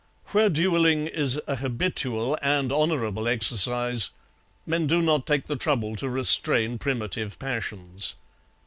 Where duelling is a habitual and honourable exercise, men do not take the trouble to restrain primitive passions.